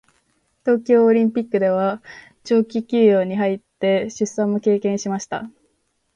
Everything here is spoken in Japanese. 東京オリンピックでは長期休養に入って出産も経験しました。